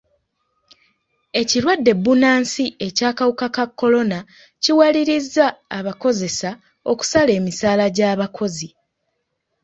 Ekirwadde bbunansi eky'akawuka ka kolona kiwalirizza abakozesa okusala emisaala gy'abakozi.